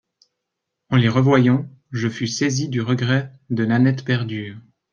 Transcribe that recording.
En les revoyant, je fus saisi du regret de Nanette perdue.